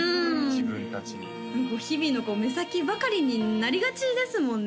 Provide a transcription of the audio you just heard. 自分達に日々の目先ばかりになりがちですもんね